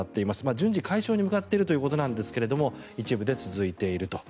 順次解消に向かっているということなんですが一部で続いていると。